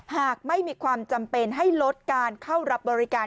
หากไม่มีความจำเป็นให้ลดการเข้ารับบริการ